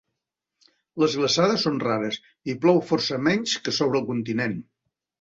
Les glaçades són rares i hi plou força menys que sobre el continent.